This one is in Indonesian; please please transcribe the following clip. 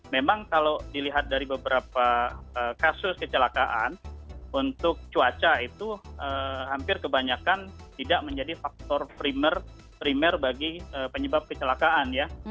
memang kalau dilihat dari beberapa kasus kecelakaan untuk cuaca itu hampir kebanyakan tidak menjadi faktor primer bagi penyebab kecelakaan ya